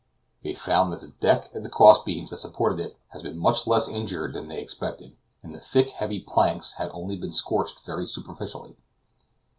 They found that the deck and the cross beams that supported it had been much less injured than they expected, and the thick, heavy planks had only been scorched very superficially.